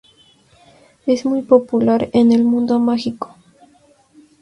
Es muy popular en el mundo mágico.